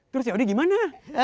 terus yaudah gimana